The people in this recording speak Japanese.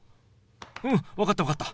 うん分かった分かった。